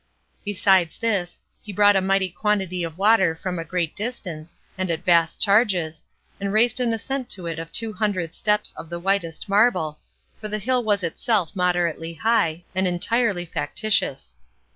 Besides this, he brought a mighty quantity of water from a great distance, and at vast charges, and raised an ascent to it of two hundred steps of the whitest marble, for the hill was itself moderately high, and entirely factitious.